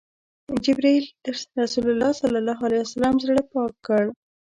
جبرئیل د رسول الله ﷺ زړه پاک کړ.